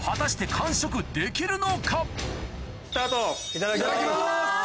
・いただきます。